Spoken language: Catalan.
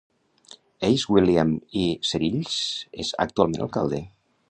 Ace William E. Cerilles és actualment alcalde.